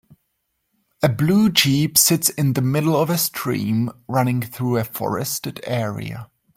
A blue jeep sits in the middle of a stream running through a forested area.